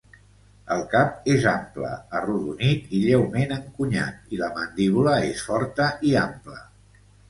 El cap és ample, arrodonit i lleument encunyat i la mandíbula és forta i ampla.